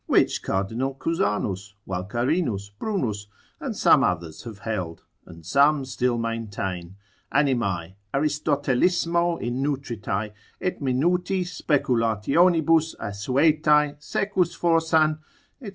which Cardinal Cusanus, Walkarinus, Brunus, and some others have held, and some still maintain, Animae, Aristotelismo innutritae, et minutis speculationibus assuetae, secus forsan, &c.